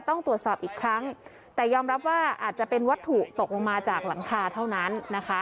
ต้องตรวจสอบอีกครั้งแต่ยอมรับว่าอาจจะเป็นวัตถุตกลงมาจากหลังคาเท่านั้นนะคะ